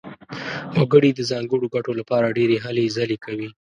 وګړي د ځانګړو ګټو لپاره ډېرې هلې ځلې کوي.